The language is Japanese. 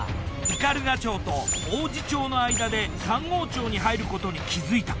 斑鳩町と王寺町の間で三郷町に入ることに気づいた。